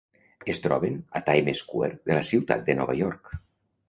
Es troben a Time Square de la ciutat de Nova York.